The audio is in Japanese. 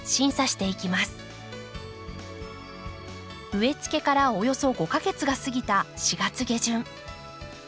植え付けからおよそ５か月が過ぎた４月下旬。